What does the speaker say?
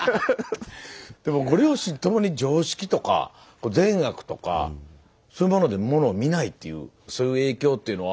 でもご両親ともに常識とか善悪とかそういうものでものを見ないっていうそういう影響っていうのは。